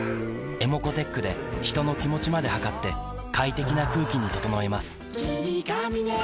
ｅｍｏｃｏーｔｅｃｈで人の気持ちまで測って快適な空気に整えます